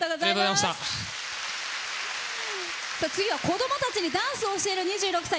次は子どもたちにダンスを教える２６歳。